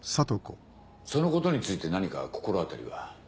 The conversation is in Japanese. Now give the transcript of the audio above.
そのことについて何か心当たりは？